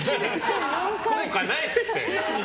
効果ないですって。